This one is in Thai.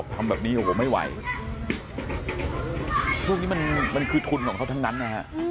ทำแบบนี้โอ้โหไม่ไหวพวกนี้มันคือทุนของเขาทั้งนั้นนะฮะ